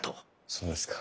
そうですか。